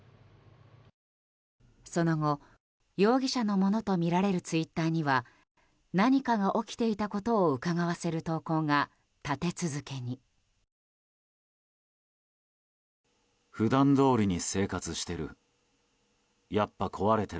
その後、容疑者のものとみられるツイッターには何かが起きていたことをうかがわせる投稿が立て続けに。